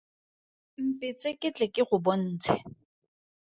Mpetse ke tle ke go bontshe!